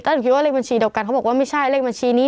แต่หนูคิดว่าเลขบัญชีเดียวกันเขาบอกว่าไม่ใช่เลขบัญชีนี้